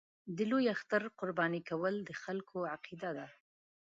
د لوی اختر قرباني کول د خلکو عقیده ده.